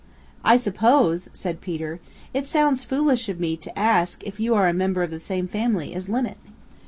"I suppose," said Peter, "it sounds foolish of me to ask if you are a member of the same family as Linnet."